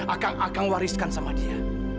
akan akang wariskan sama dia